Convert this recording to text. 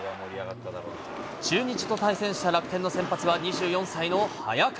中日と対戦した楽天の先発は２４歳の早川。